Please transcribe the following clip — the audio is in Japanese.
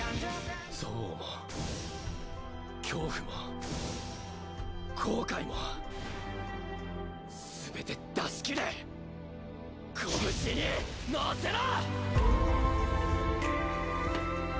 「憎悪も恐怖も後悔も全て出し切れ」「拳に乗せろ！」